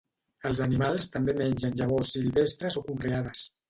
Els animals també mengen llavors silvestres o conreades.